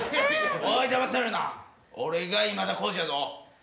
おいだまされるな俺が今田耕司やぞ。